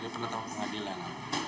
dia pengetahuan pengadilan